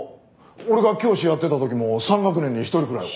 俺が教師やってた時も３学年に１人くらいは。